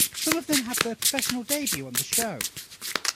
Some of them had their professional debut on the show.